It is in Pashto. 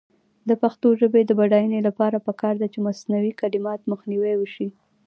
د پښتو ژبې د بډاینې لپاره پکار ده چې مصنوعي کلمات مخنیوی شي.